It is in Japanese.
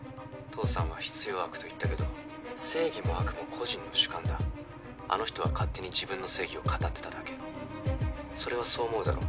父さんは「必要悪」と言ったけど正義も悪も個人の主観だあの人は勝手に自分の正義を語ってただけそれはそう思うだろ？